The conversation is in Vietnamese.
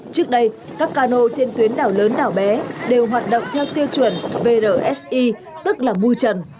trước đây các cano trên tuyến đảo lớn đảo bé đều hoạt động theo tiêu chuẩn vrsi tức là mui trần